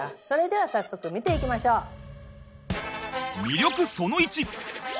それでは早速見ていきましょう！